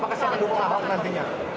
apa kesen dukungan pak hock nantinya